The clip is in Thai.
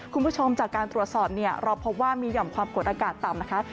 คุณผู้ชมจากการตรวจสอบเนี่ยเราพบว่ามีห่อมความกดอากาศต่ำนะคะ